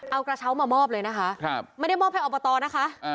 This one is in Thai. เอากระเช้ามามอบเลยนะคะไม่ได้มอบให้อบตนะคะ